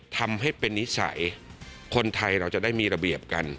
ทำให้เป็นนิสัยคนไทยเราจะได้มีระเบียบกัน